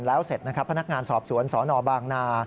แล้วเสร็จพนักงานสอบสวนสนบางนา